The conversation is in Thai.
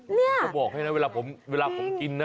เนี่ยก็บอกให้นะเวลาผมกินนะ